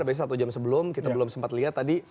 sampai satu jam sebelum kita belum sempat lihat tadi